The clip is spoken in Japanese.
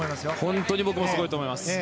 本当に僕もすごいと思います。